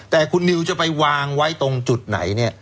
แต่คุณนิวจะไปวางไว้ตรงจุดไหนเนี่ย